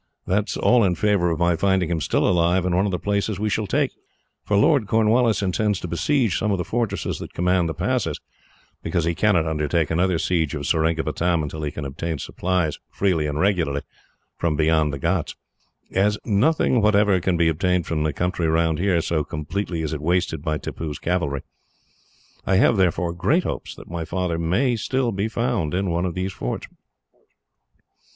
That is all in favour of my finding him, still alive, in one of the places we shall take, for Lord Cornwallis intends to besiege some of the fortresses that command the passes, because he cannot undertake another siege of Seringapatam until he can obtain supplies, freely and regularly, from beyond the ghauts; as nothing whatever can be obtained from the country round, so completely is it wasted by Tippoo's cavalry. I have, therefore, great hopes that my father may be found in one of these forts."